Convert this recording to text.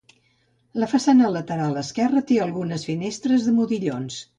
La façana lateral esquerra té algunes finestres de modillons.